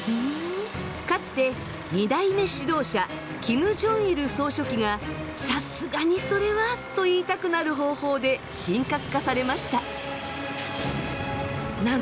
かつて２代目指導者キム・ジョンイル総書記が「さすがにそれは」と言いたくなる方法で神格化されました。